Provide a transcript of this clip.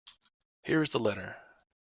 Here is the letter.